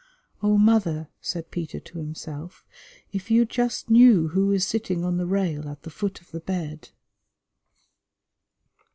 "Oh, mother," said Peter to himself, "if you just knew who is sitting on the rail at the foot of the bed."